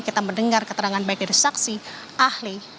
kita mendengar keterangan baik dari saksi ahli